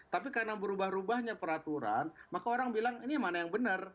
tapi karena berubah rubahnya peraturan maka orang bilang ini mana yang benar